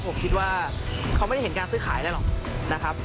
ผมคิดว่าเขาไม่ได้เห็นการซื้อขายอะไรหรอกนะครับ